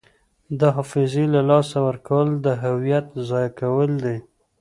د حافظې له لاسه ورکول د هویت ضایع کول دي.